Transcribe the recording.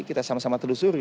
kita sama sama telusuri